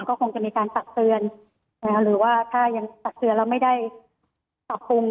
ก็คงจะมีการตักเตือนหรือว่าถ้ายังตักเตือนแล้วไม่ได้ปรับปรุง